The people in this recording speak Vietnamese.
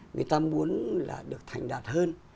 người ta muốn là được thành đạt hơn